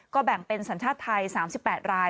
แบ่งเป็นสัญชาติไทย๓๘ราย